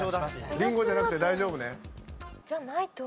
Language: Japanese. リンゴじゃなくて大丈夫ね？